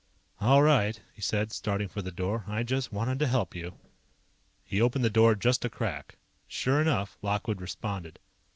"All right," he said, starting for the door. "I just wanted to help you." He opened the door just a crack. Sure enough, Lockwood responded.